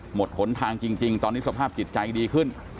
หนทางจริงตอนนี้สภาพจิตใจดีขึ้น